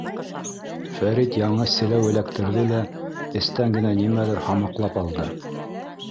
Фәрит яңы селәү эләктерҙе лә, эстән генә нимәлер һамаҡлап алды.